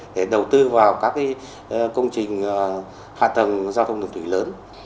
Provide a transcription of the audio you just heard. để đầu tư vào các công trình hạ tầng giao thông đường thủy lớn